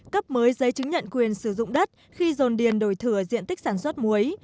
cấp mới giấy chứng nhận quyền sử dụng đất khi dồn điền đổi thửa diện tích sản xuất muối